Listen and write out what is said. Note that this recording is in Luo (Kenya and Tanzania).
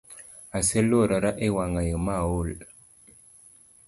Aseluorora ewang’ayo maol